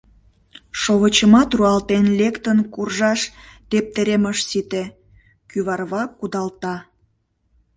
Шовычымат руалтен лектын куржаш тептерем ыш сите, — кӱварвак кудалта.